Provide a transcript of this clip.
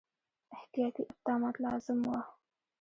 احتیاطي اقدامات لازم وه.